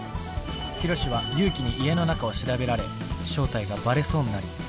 ヒロシは祐樹に家の中を調べられ正体がバレそうになり。